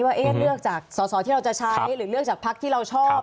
ว่าเลือกจากสอสอที่เราจะใช้หรือเลือกจากพักที่เราชอบ